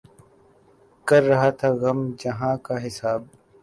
کر رہا تھا غم جہاں کا حساب